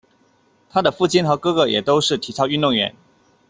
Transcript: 她的父亲和哥哥也都是体操运动员。